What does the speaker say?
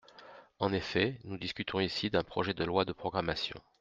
En effet, nous discutons ici d’un projet de loi de programmation.